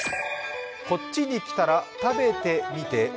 「こっちに来たら食べてみて！